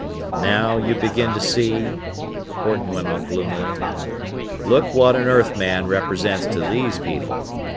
"Now you begin to see?" Horton went on gloomily. "Look what an Earthman represents to these people.